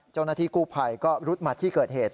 เจ้าหน้าที่กู้ภัยก็รุดมาที่เกิดเหตุ